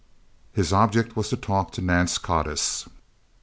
His object was to talk to Nance Codiss.